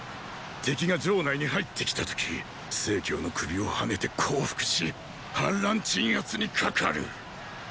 敵が城内に入って来た時成の首をはねて降伏し反乱鎮圧にかかる！